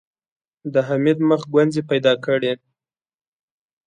د حميد مخ ګونځې پيدا کړې.